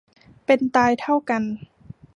เป็นตายเท่ากัน